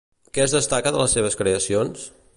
Què es destaca de les seves creacions?